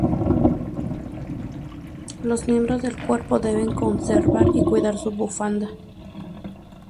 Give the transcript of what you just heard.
Los miembros del Cuerpo deben conservar y cuidar su bufanda.